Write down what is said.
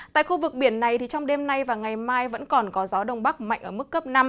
tại khu vực biển này trong đêm nay và ngày mai vẫn còn có gió đông bắc mạnh ở mức cấp năm